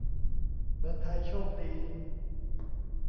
เมืองไทยโชคดี